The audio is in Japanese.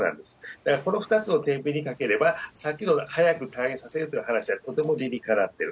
だからこの２つをてんびんにかければ、さっきの早く退院させるという話はとても理にかなってる。